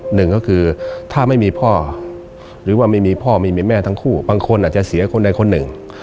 หนึ่งก็คือถ้าไม่มีพ่อหรือว่าไม่มีพ่อไม่มีแม่ทั้งคู่บางคนอาจจะเสียคนใดคนหนึ่ง